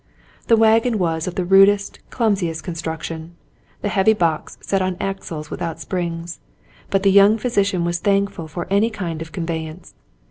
The wagon was of the rudest, clumsiest construction, the heavy box set on axles without springs, but the young physician was thankful for any kind of a conveyance.